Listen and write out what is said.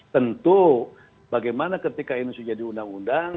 tentu bagaimana ketika ini sudah jadi undang undang